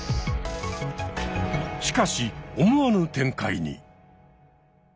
しかし思わぬ展開に！